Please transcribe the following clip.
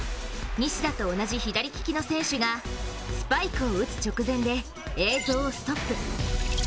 西田と同じ左利きの選手がスパイクを打つ直前で映像をストップ。